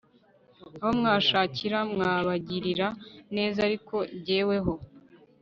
aho mwashakira mwabagirira neza ariko jyeweho